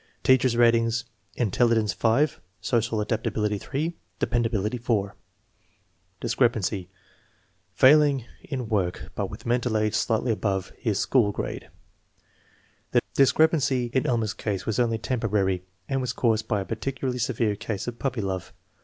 Teacher's ratings: intelligence 5, social adaptability 3, de pendability 4. 106 INTELLIGENCE OF SCHOOL CHILDREN Discrepancy: Failing in work, but with mental age slightly above his school grade. The discrepancy in Elmer's case was only temporary and was caused by a particularly severe case of "puppy love."